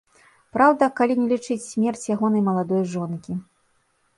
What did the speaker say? Праўда, калі не лічыць смерць ягонай маладой жонкі.